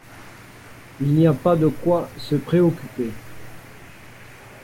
Il n’y a pas de quoi se préoccuper.